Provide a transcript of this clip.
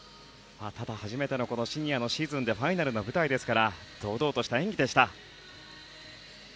ただ初めてのシニアのシーズンでファイナルの舞台ですから堂々とした演技でした。